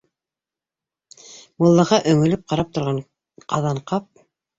Муллаға өңөлөп ҡарап торған Ҡаҙанҡап: